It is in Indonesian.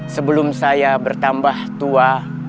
sebelum saya bertambah tua